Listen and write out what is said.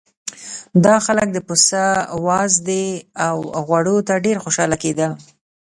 دا خلک د پسه وازدې او غوړو ته ډېر خوشاله کېدل.